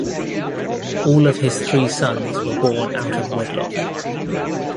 All of his three sons were born out of wedlock.